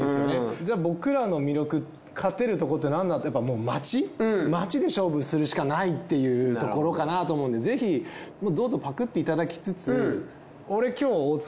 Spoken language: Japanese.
じゃ僕らの魅力勝てるとこってなんだってやっぱもう街で勝負するしかないっていうところかなと思うのでぜひどうぞパクっていただきつつ俺今日は大塚